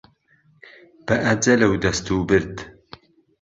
به ئهجهله و دهستووبرد